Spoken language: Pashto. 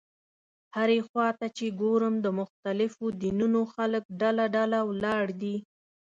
هرې خوا ته چې ګورم د مختلفو دینونو خلک ډله ډله ولاړ دي.